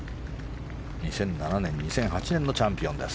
２００７年、２００８年のチャンピオンです。